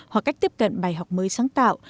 hoặc cách tiếp cận bài học mới sáng tạo